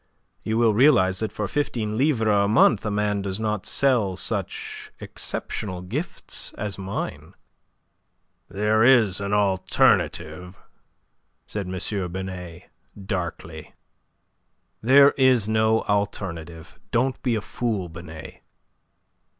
You will realize that for fifteen livres a month a man does not sell such exceptional gifts as mine. "There is an alternative," said M. Binet, darkly. "There is no alternative. Don't be a fool, Binet."